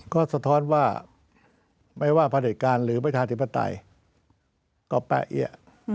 ก็สะท้อนว่าไม่ว่าพระเด็จการหรือประชาธิปไตยก็แปะเอี้ย